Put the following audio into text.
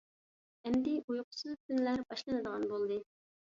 ئەمدى ئۇيقۇسىز تۈنلەر باشلىنىدىغان بولدى.